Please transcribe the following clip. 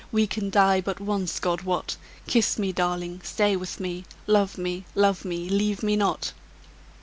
We can die but once, God wot, Kiss me darling stay with me: Love me love me, leave me not!"